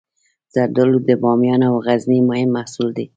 زردالو د بامیان او غزني مهم محصول دی.